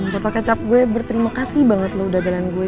potok kecap gue berterima kasih banget lo udah dapetin gue